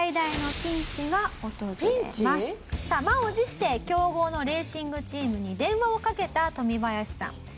ピンチ？さあ満を持して強豪のレーシングチームに電話をかけたトミバヤシさん。